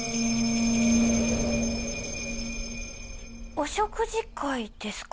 お食事会ですか？